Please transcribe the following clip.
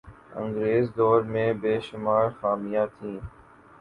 انگریز دور میں بے شمار خامیاں تھیں